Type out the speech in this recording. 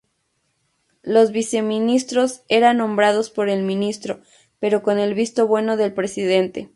Los viceministros eran nombrados por el Ministro, con el visto bueno del Presidente.